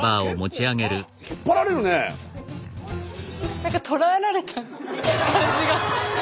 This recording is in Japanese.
何か捕らえられた感じが。